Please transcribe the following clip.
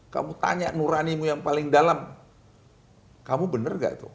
kamu tanya nuranimu yang paling dalam kamu benar gak tuh